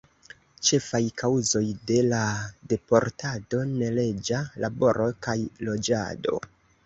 Ĉefaj kaŭzoj de la deportado: neleĝa laboro kaj loĝado.